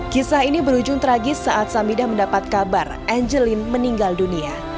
kisah ini berujung tragis saat samidah mendapat kabar angeline meninggal dunia